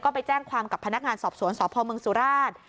ไปแจ้งความกับพนักงานสอบสวนสพเมืองสุราช